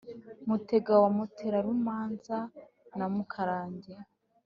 mutega wa mutarumanza na mukarange